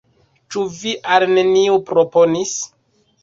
Ĉu vi al neniu proponis?